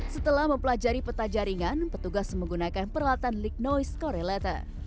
setelah mempelajari peta jaringan petugas menggunakan peralatan lick noise correlator